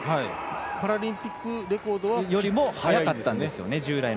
パラリンピックレコードよりも速かったんですよね。